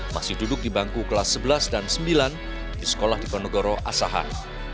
masih duduk di bangku kelas sebelas dan sembilan di sekolah diponegoro asahan